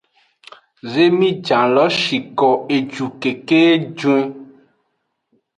Zemijan lo shiko eju keke juin.